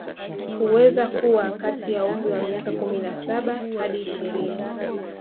Huweza kuwa kati ya umri wa miaka kumi na saba hadi ishirini